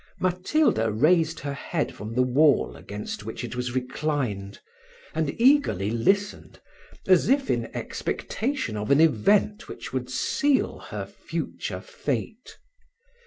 Matilda raised her head from the wall against which it was reclined, and eagerly listened, as if in expectation of an event which would seal her future fate.